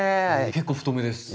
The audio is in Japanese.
結構太めです。